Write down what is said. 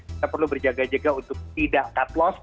kita perlu berjaga jaga untuk tidak cut loss